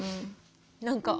何か。